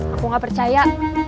aku gak percaya